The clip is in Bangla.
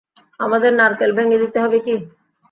আমাদের নারকেল ভেঙে দিতে হবে - কি?